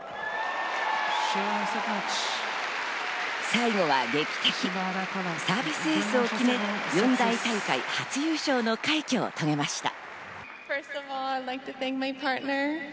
最後は劇的、サービスエースを決め、四大大会、初優勝の快挙を遂げました。